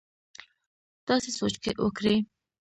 تاسي سوچ وکړئ!